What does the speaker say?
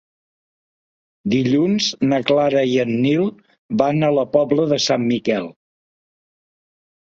Dilluns na Clara i en Nil van a la Pobla de Sant Miquel.